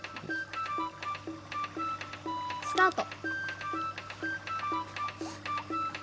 スタート。